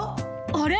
あれ？